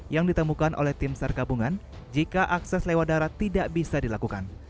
yang ditemukan oleh tim sar gabungan jika akses lewat darat tidak bisa dilakukan